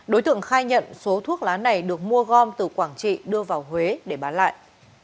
đối tượng khai nhận số thuốc lá này được mua gom từ quảng trị đưa vào huế để bán lại